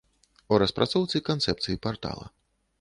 У распрацоўцы канцэпцыі партала.